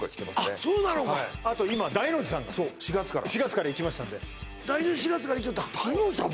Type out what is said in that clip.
あっそうなのかはいあと今ダイノジさんがそう４月から４月から行きましたんでダイノジ４月から行っちゃったダイノジさん